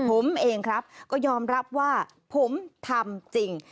ผมเองครับก็ยอมรับว่าผมทำจริง